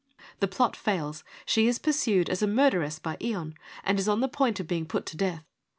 The plot fails, she is pur sued as a murderess by Ion and is on the point of being put to death.